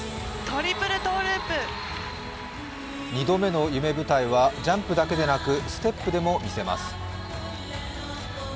２度目の夢舞台はジャンプだけでなくステップでも見せます。